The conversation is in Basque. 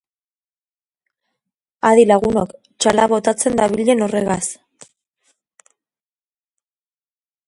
Adi, lagunok, txala botatzen dabilen orregaz.